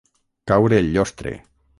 Caure el llostre.